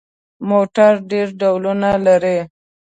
موټر ډېر ډولونه لري.